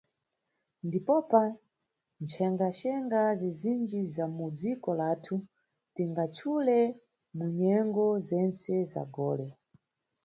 Ndipopa, mcenga-cenga zizinji za mu dziko lathu, tingachule mu nyengo zentse za gole.